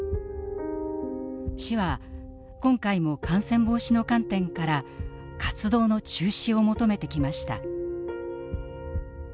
市は今回も感染防止の観点から活動の中止を求めてきました。